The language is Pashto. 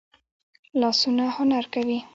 لاسونه هنر کوي